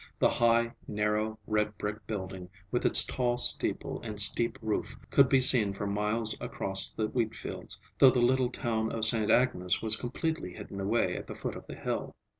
The high, narrow, red brick building, with its tall steeple and steep roof, could be seen for miles across the wheatfields, though the little town of Sainte Agnes was completely hidden away at the foot of the hill.